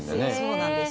そうなんです